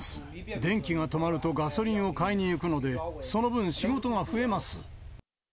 電気が止まるとガソリンを買いに行くので、その分仕事が増えます。